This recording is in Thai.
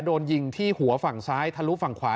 โดนยิงที่หัวฝั่งซ้ายทะลุฝั่งขวา